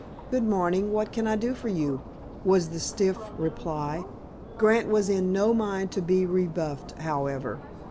"Good morning. What can I do for you?" was the stiff reply. Grant was in no mind to be rebuffed, however.